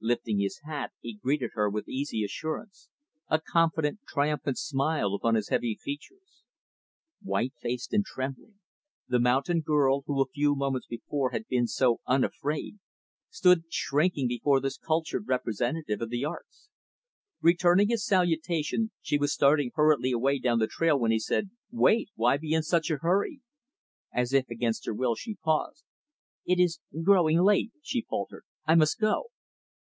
Lifting his hat, he greeted her with easy assurance; a confident, triumphant smile upon his heavy features. White faced and trembling, the mountain girl who a few moments before, had been so unafraid stood shrinking before this cultured representative of the arts. Returning his salutation, she was starting hurriedly away down the trail, when he said, "Wait. Why be in such a hurry?" As if against her will, she paused. "It is growing late," she faltered; "I must go."